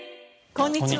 こんにちは。